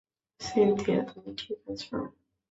Cynthia, তুমি ঠিক আছো?